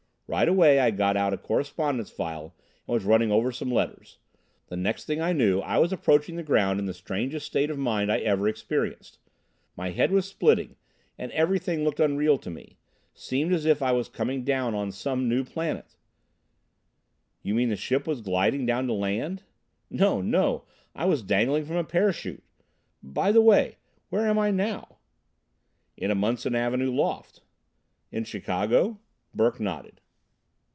Right away I got out a correspondence file and was running over some letters. The next thing I knew I was approaching the ground in the strangest state of mind I ever experienced. My head was splitting, and everything looked unreal to me. Seemed as if I was coming down on some new planet." "You mean the ship was gliding down to land?" "No, no. I was dangling from a parachute.... By the way, where am I now?" "In a Munson Avenue loft." "In Chicago?" Burke nodded.